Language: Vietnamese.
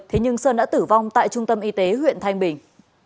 thế nhưng sơn đã tử vong tại trung tâm y tế huyện thanh bình